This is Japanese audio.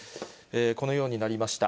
このようになりました。